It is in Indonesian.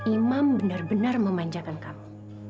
imam benar benar memanjakan kamu